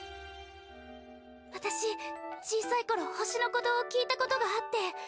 私、小さいころ星の鼓動を聞いたことがあって。